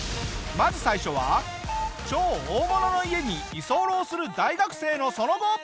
まず最初は超大物の家に居候する大学生のその後！